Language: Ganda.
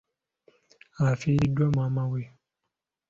Afiiriddwa maama we.